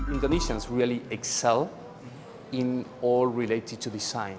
indonesia sangat berkembang dalam semua hal yang berkaitan dengan desain